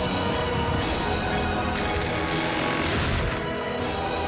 มิสเตอร์